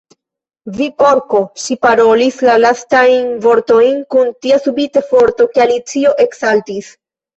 "Vi Porko!" Ŝi parolis la lastajn vortojn kun tia subita forto ke Alicio eksaltis.